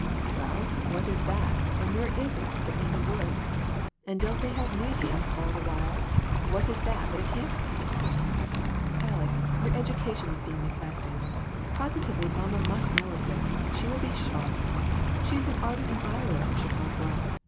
"Well, what is that, and where is it, but in the woods ; and don't they have meetings all the while ? What is that but a camp meeting ?" CHARACTER STUDIES. 2 I/ " Aleck, your education is being neglected ! Positively mamma must know of this ; she will be shocked ; she is an ardent admirer of Chautauqua.